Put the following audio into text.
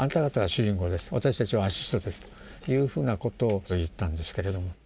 私たちはアシストですというふうなことを言ったんですけれども。